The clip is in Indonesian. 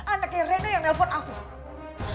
ada kayak reno yang nelfon afif